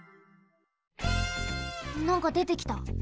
なんかでてきた。